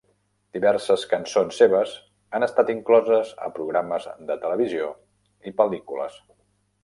Diverses cançons seves han estat incloses a programes de televisió i pel·lícules.